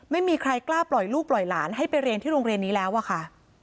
ไม่มีใครกล้าปล่อยลูกปล่อยหลานให้ไปเรียนที่โรงเรียนนี้แล้วอะค่ะ